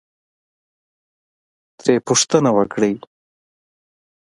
ترې پوښتنه وکړئ،